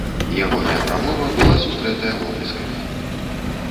Ягоная прамова была сустрэтая воплескамі.